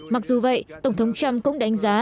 mặc dù vậy tổng thống trump cũng đánh giá